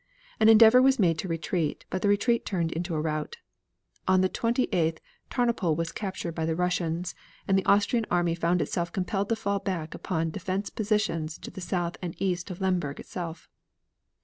An endeavor was made to retreat, but the retreat turned into a rout. On the 28th Tarnopol was captured by the Russians, and the Austrian army found itself compelled to fall back upon defense positions to the south and east of Lemberg itself.